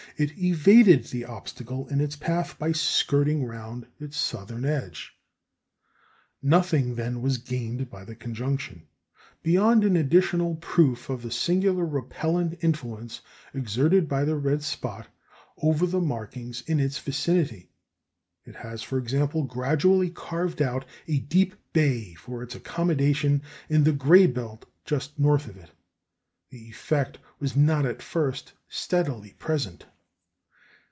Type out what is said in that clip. It evaded the obstacle in its path by skirting round its southern edge. Nothing, then, was gained by the conjunction, beyond an additional proof of the singular repellent influence exerted by the red spot over the markings in its vicinity. It has, for example, gradually carved out a deep bay for its accommodation in the gray belt just north of it. The effect was not at first steadily present.